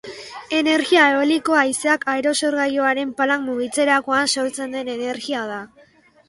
Energia eolikoa haizeak aerosorgailuaren palak mugitzerakoan sortzen den energia da.